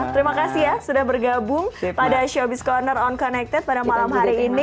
terima kasih ya sudah bergabung pada showbiz corner on connected pada malam hari ini